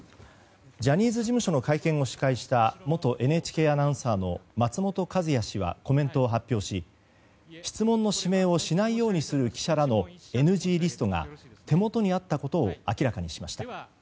ジャニーズ事務所の会見を司会した元ＮＨＫアナウンサーの松本和也氏はコメントを発表し質問の指名をしないようにする記者らのＮＧリストが手元にあったことを明らかにしました。